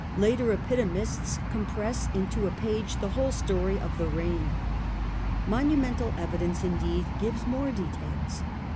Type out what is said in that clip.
Later epitomists compress into a page ments mure the whole story of the reign. Monumental LicienV ^ evidence indeed gives more details.